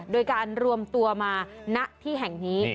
โดยการรวมตัวมาณที่แห่งนี้